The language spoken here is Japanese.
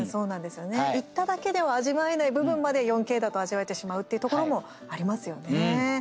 行っただけでは味わえない部分まで４Ｋだと味わえてしまうっていうところもありますよね。